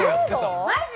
マジ？